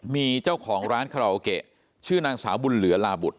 มีเจ้าของร้านคาราโอเกะชื่อนางสาวบุญเหลือลาบุตร